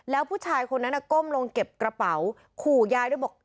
แล้วผู้ชายคนนั้นก้มลงเก็บกระเป๋าขู่ยายด้วยบอก